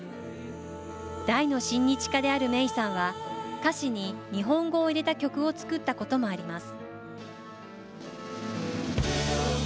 大の親日家であるメイさんは、歌詞に日本語を入れた曲を作ったこともあります。